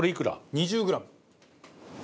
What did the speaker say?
２０グラム。